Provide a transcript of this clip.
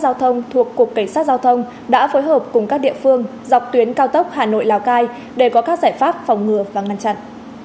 giao thông thuộc cục cảnh sát giao thông đã phối hợp cùng các địa phương dọc tuyến cao tốc hà nội lào cai để có các giải pháp phòng ngừa và ngăn chặn